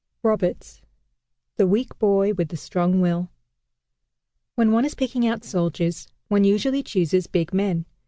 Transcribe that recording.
ROBERTS THE WEAK BOY WITH THE STRONG WILL When one is picking out soldiers, one usually chooses big men.